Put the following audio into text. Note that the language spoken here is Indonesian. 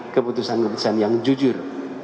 keputusan keputusan yang jujur